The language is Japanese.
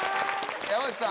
山内さん